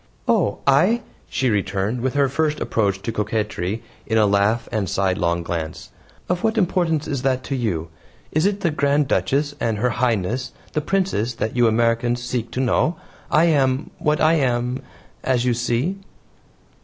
"Oh, I," she returned, with her first approach to coquetry in a laugh and a sidelong glance, "of what importance is that to you? It is the Grand Duchess and Her Highness the Princess that you Americans seek to know. I am what I am as you see."